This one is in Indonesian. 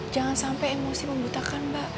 jangan sampai emosi membutakan mbak